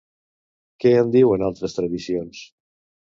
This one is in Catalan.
Què en diuen altres tradicions?